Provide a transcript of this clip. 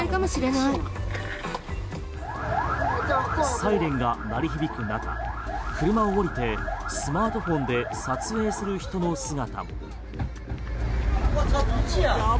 サイレンが鳴り響く中車を置いて、スマートフォンで撮影する人の姿も。